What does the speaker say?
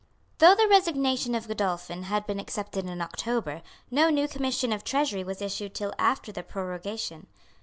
Though the resignation of Godolphin had been accepted in October, no new commission of Treasury was issued till after the prorogation.